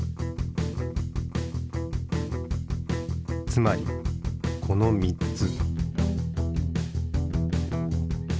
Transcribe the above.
つまりこの３つ。